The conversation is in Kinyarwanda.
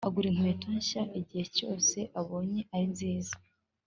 agura inkweto nshya igihe cyose abonye ari nziza